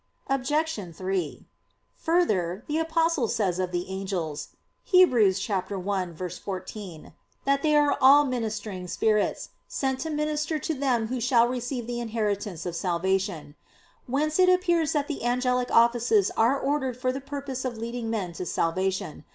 Obj. 3: Further, the Apostle says of the angels (Heb. 1:14), that "they are all ministering spirits, sent to minister to them who shall receive the inheritance of salvation"; whence it appears that the angelic offices are ordered for the purpose of leading men to salvation.